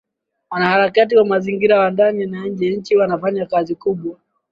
Wanaharakati wa Mazingira wa ndani na nje ya nchi wanafanya kazi kubwa